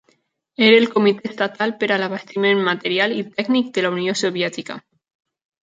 Era el comitè estatal per a l'abastiment material i tècnic de la Unió Soviètica.